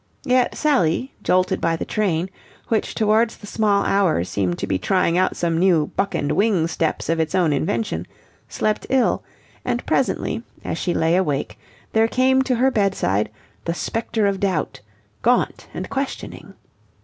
Yet, Sally, jolted by the train, which towards the small hours seemed to be trying out some new buck and wing steps of its own invention, slept ill, and presently, as she lay awake, there came to her bedside the Spectre of Doubt, gaunt and questioning.